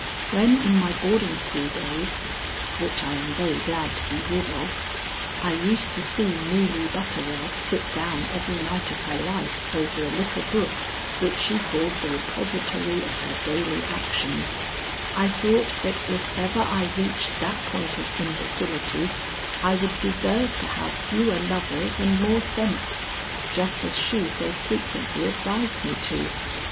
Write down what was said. When in my boarding school days (which I am very glad to be rid of) I used to see Meeley Butterworth sit down every night of her life over a little book which she called the repository of her daily actions, I thought that if ever I reached that point of imbecility I would deserve to have fewer lovers and more sense, just as she so frequently advised me to.